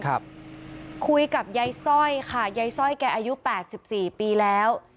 คุยกับยายซ่อยค่ะยายซ่อยแกอายุ๘๔ปีแล้ว